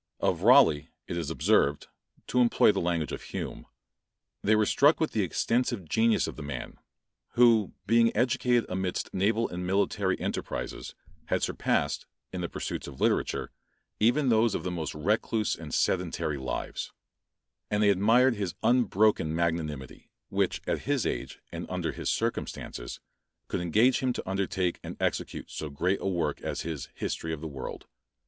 Of Raleigh it is observed, to employ the language of Hume, "They were struck with the extensive genius of the man, who, being educated amidst naval and military enterprises, had surpassed, in the pursuits of literature, even those of the most recluse and sedentary lives; and they admired his unbroken magnanimity, which, at his age, and under his circumstances, could engage him to undertake and execute so great a work, as his History of the World."